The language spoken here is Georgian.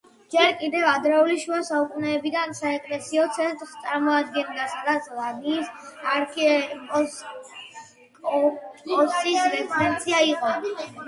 ჯერ კიდევ ადრეული შუა საუკუნეებიდან საეკლესიო ცენტრს წარმოადგენდა, სადაც დანიის არქიეპისკოპოსის რეზიდენცია იყო.